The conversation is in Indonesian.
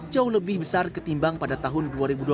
jauh lebih besar ketimbang pada tahun dua ribu dua puluh